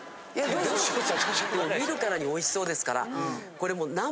見るからにおいしそうですからこれもう。